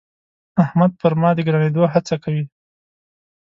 احمد پر ما د ګرانېدو هڅه کوي.